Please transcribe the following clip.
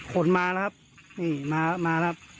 ขนมานะครับนี่มาครับ